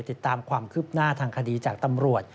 ติดตามความคืบหน้าทางคดีจากตำรวจ